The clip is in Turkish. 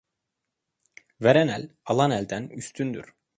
Veren el, alan elden üstündür.